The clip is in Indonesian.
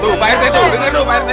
tuh pak rt tuh dengar tuh pak rt